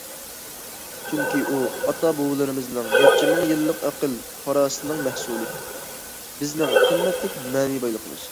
چۈنكى ئۇ ئاتا- بوۋىلىرىمىزنىڭ نەچچە مىڭ يىللىق ئەقىل- پاراسىتىنىڭ مەھسۇلى، بىزنىڭ قىممەتلىك مەنىۋى بايلىقىمىز.